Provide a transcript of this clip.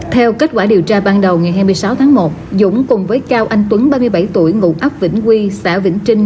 theo kết quả điều tra ban đầu ngày hai mươi sáu tháng một dũng cùng với cao anh tuấn ba mươi bảy tuổi ngụ ấp vĩnh quy xã vĩnh trinh